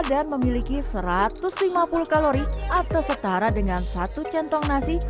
dan memiliki satu ratus lima puluh kalori atau setara dengan satu centong nasi